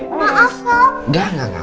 enggak enggak enggak